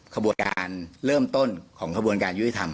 ขบวนการเริ่มต้นของกระบวนการยุติธรรม